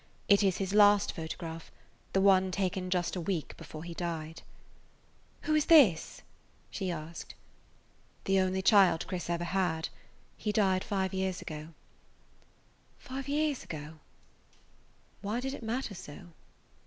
It is his last photograph, the one taken just a week before he died. "Who is this?" she asked. "The only child Chris ever had. He died five years ago." "Five years ago?" Why did it matter so?